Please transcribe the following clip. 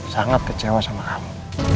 sangat kecewa sama kami